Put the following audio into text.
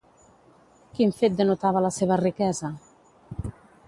Quin fet denotava la seva riquesa?